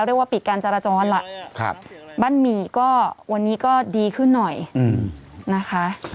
เรียกว่าปิดการจราจรล่ะบ้านหมี่ก็วันนี้ก็ดีขึ้นหน่อยนะคะ